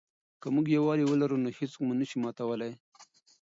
که موږ یووالي ولرو نو هېڅوک مو نه سي ماتولای.